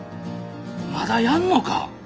まだやんのか？